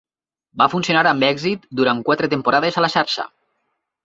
Va funcionar amb èxit durant quatre temporades a la xarxa.